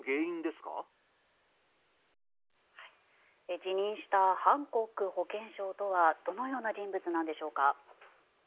辞任したハンコック保健相とはどのような人物なんでしょうか。